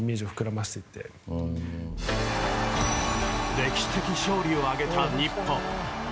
歴史的勝利を挙げた日本。